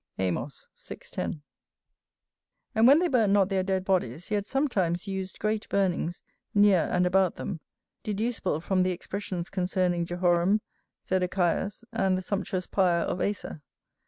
[AJ] And when they burnt not their dead bodies, yet sometimes used great burnings near and about them, deducible from the expressions concerning Jehoram, Zedechias, and the sumptuous pyre of Asa.